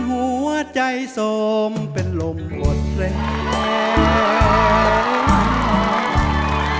หุ่นหัวใจสมเป็นลมบดเรียก